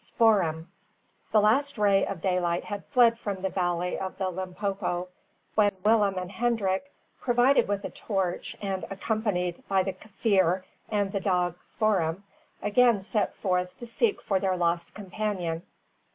SPOOR'EM. The last ray of daylight had fled from the valley of the Limpopo, when Willem and Hendrik, provided with a torch and accompanied by the Kaffir and the dog Spoor'em, again set forth to seek for their lost companion.